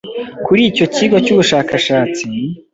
kuri icyo kigo cy'ubushakashatsi